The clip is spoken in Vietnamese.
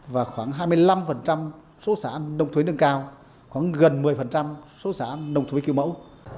và khoảng hai mươi năm số xã nông thôn nâng cao khoảng gần một mươi số xã nông thôn mới kiểu mẫu